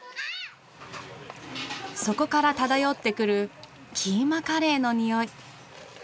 そこから漂ってくるキーマカレーのにおい。